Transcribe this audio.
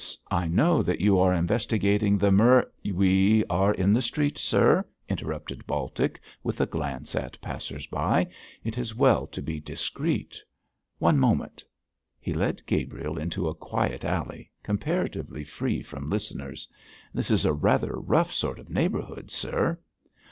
I know that you are investigating the mur ' 'We are in the street, sir,' interrupted Baltic, with a glance at passers by; 'it is as well to be discreet. One moment.' He led Gabriel into a quiet alley, comparatively free from listeners. 'This is a rather rough sort of neighbourhood, sir.'